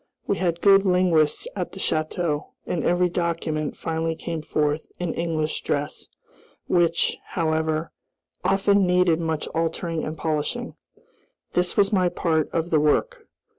We had good linguists at the château, and every document finally came forth in English dress, which, however, often needed much altering and polishing. This was my part of the work.